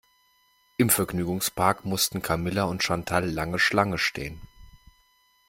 Im Vergnügungspark mussten Camilla und Chantal lange Schlange stehen.